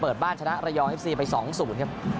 เปิดบ้านชนะระยองเอฟซีไป๒๐ครับ